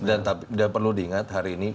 dan perlu diingat hari ini